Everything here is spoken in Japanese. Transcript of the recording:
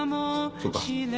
そうか。